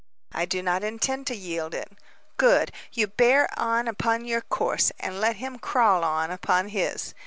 "I do not intend to yield it." "Good. You bear on upon your course, and let him crawl on upon his.